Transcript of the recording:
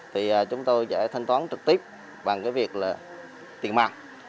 thì chúng tôi sẽ thanh toán trực tiếp bằng việc tiền mạng